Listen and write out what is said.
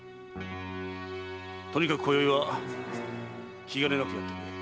とにかく今宵は気がねなくやってくれ。